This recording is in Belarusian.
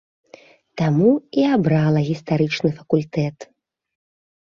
Таму і абрала гістарычны факультэт.